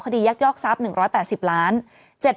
คดียักษ์ยอกทรัพย์๑๘๐ล้านบาท